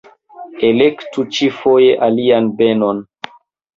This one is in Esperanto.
Elektu ĉiufoje alian benon.